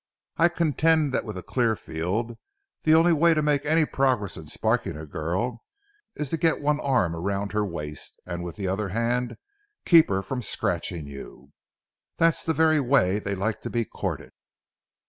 I contend that with a clear field the only way to make any progress in sparking a girl, is to get one arm around her waist, and with the other hand keep her from scratching you. That's the very way they like to be courted."